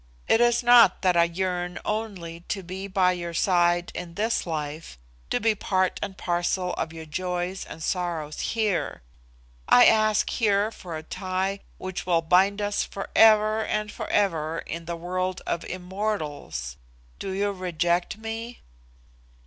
It is not that I yearn only to be by your side in this life, to be part and parcel of your joys and sorrows here: I ask here for a tie which will bind us for ever and for ever in the world of immortals. Do you reject me?"